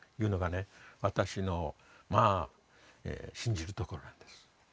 私の信じるところなんです。